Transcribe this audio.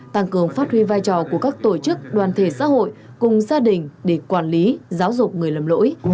tăng cường phát huy vai trò của các tổ chức đoàn thể xã hội cùng gia đình để quản lý giáo dục người lầm lỗi